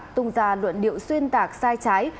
tung ra luận điệu xuyên tạc sai trái